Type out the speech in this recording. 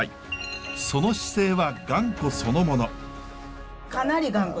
その姿勢は頑固そのもの。